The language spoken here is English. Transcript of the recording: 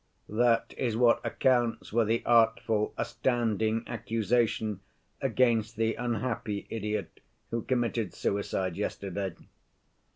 That is what accounts for the artful, astounding accusation against the unhappy idiot who committed suicide yesterday.